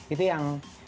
itu yang lebih penting